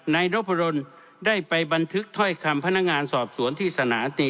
นายนพดลได้ไปบันทึกถ้อยคำพนักงานสอบสวนที่สนามตี